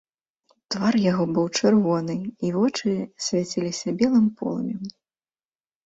Твар яго быў чырвоны, і вочы свяціліся белым полымем.